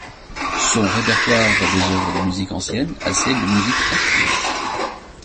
Son répertoire va des œuvres de musique ancienne à celles de musique actuelle.